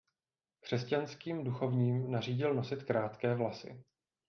Křesťanským duchovním nařídil nosit krátké vlasy.